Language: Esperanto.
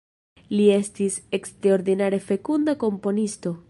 Li estis eksterordinare fekunda komponisto.